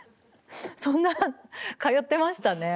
そんな通ってましたね。